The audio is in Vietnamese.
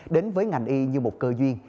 đến với ngành y như một cơ duyên